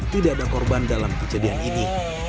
tidak ada korban dalam kejadian ini